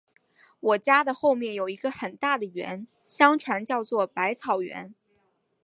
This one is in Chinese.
我家的后面有一个很大的园，相传叫作百草园